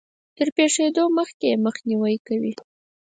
تر پېښېدو مخکې يې مخنيوی کوي.